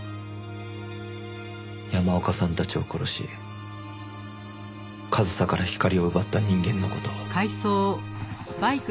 山岡さんたちを殺し和沙から光を奪った人間の事を。